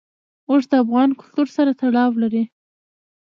اوښ د افغان کلتور سره تړاو لري.